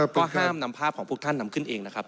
ก็ห้ามนำภาพของพวกท่านนำขึ้นเองนะครับ